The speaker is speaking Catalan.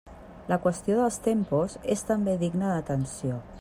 La qüestió dels tempos és també digna d'atenció.